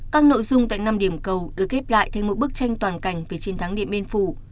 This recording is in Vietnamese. các nội dung tại năm điểm cầu được ghép lại thành một bức tranh toàn cảnh về chiến thắng điện biên phủ